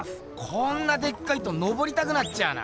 こんなでっかいとのぼりたくなっちゃうな。